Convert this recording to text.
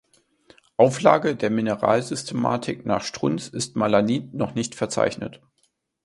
Auflage der Mineralsystematik nach Strunz ist Malanit noch nicht verzeichnet.